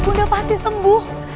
bunda pasti sembuh